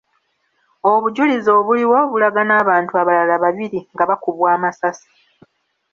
Obujulizi obuliwo bulaga n’abantu abalala babiri nga bakubwa amasasi .